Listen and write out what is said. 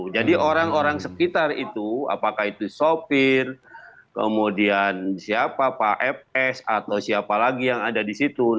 jadi orang orang sekitar itu apakah itu sopir kemudian siapa pak fs atau siapa lagi yang ada di situ